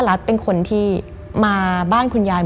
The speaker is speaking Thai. มันกลายเป็นรูปของคนที่กำลังขโมยคิ้วแล้วก็ร้องไห้อยู่